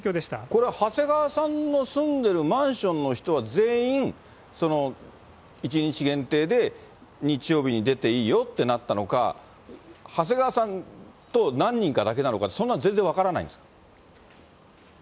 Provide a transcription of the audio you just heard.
これは長谷川さんの住んでいるマンションの人は全員、１日限定で日曜日に出ていいよってなったのか、長谷川さんと何人かだけなのか、そんな、全然分からないんですか？